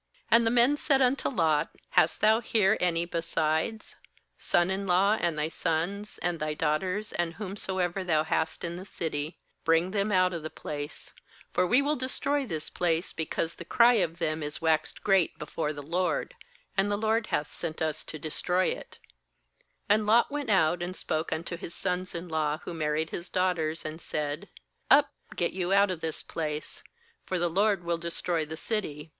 ^And the men said unto Lot: 'Hast thou here any besides? son in law, and thy sons, and thy daughters, and whomsoever thou hast in the city; bring them out of the place; ^for we will destroy this place, because the cry of them is waxed great before the LORD; and the LOED hath sent us to destroy it/ 14And Lot went out, and spoke unto married his his sons in law, daughters, and who said: 'Up, get you out of this place; for the LORD will destroy the city.'